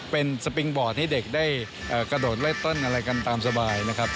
เป็นสปิงบอร์ดให้เด็กได้กระโดดไล่ต้นอะไรกันตามสบายนะครับ